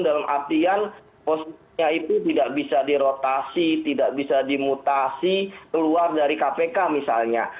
dalam artian posisinya itu tidak bisa dirotasi tidak bisa dimutasi keluar dari kpk misalnya